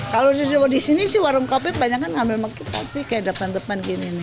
kalau di sini sih warung kopi banyak kan ngambil kita sih kayak depan depan gini